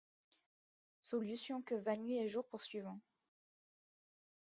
Solution-que va nuit et jour poursuivant